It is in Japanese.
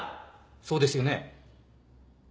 そうですよね？